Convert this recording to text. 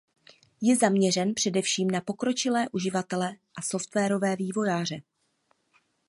Je zaměřen především na pokročilé uživatele a softwarové vývojáře.